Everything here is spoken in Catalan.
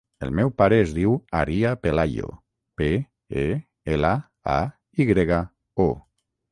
El meu pare es diu Aria Pelayo: pe, e, ela, a, i grega, o.